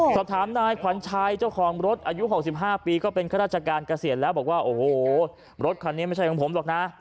สอบถามนายขวัญชัยเจ้าของรถอายุ๖๕ปีก็เป็นข้าราชการเกษียณแล้วบอกว่าโอ้โหรถคันนี้ไม่ใช่ของผมหรอกนะ